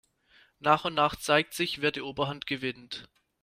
Nach und nach zeigt sich, wer die Oberhand gewinnt.